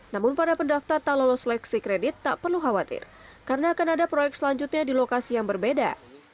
namun para pendaftar tak lolos seleksi kredit tak perlu khawatir karena akan ada proyek selanjutnya di lokasi yang berbeda